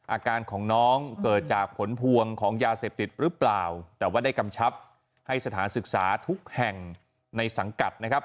อาการของน้องเกิดจากผลพวงของยาเสพติดหรือเปล่าแต่ว่าได้กำชับให้สถานศึกษาทุกแห่งในสังกัดนะครับ